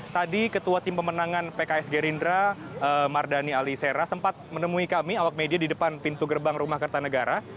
tadi ketua tim pemenangan pks gerindra mardani alisera sempat menemui kami awak media di depan pintu gerbang rumah kertanegara